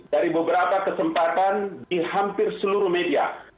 dari beberapa kesempatan di hampir seluruh media